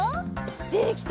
できた。